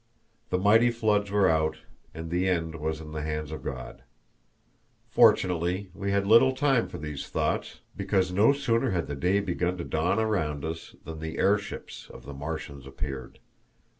The mighty floods were out, and the end was in the hands of God. Fortunately, we had little time for these thoughts, because no sooner had the day begun to dawn around us than the airships of the Martians appeared.